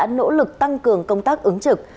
nhưng cả nước đã nỗ lực tăng cường công tác ứng trực